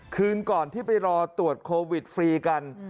คืนก่อนที่ไปรอตรวจโควิดฟรีกัน